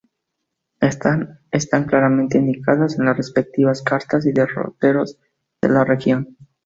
Estas están claramente indicadas en las respectivas cartas y derroteros de la región.